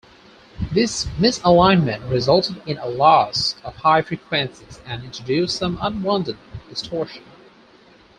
This misalignment resulted in a loss of high frequencies and introduced some unwanted distortion.